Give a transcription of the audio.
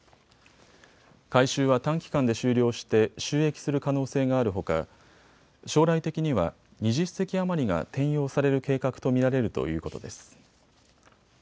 改修は短期間で終了して就役する可能性があるほか将来的には２０隻余りが転用される計画と見られるということです。